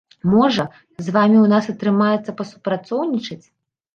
Можа, з вамі ў нас атрымаецца пасупрацоўнічаць?